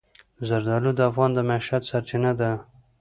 زردالو د افغانانو د معیشت سرچینه ده.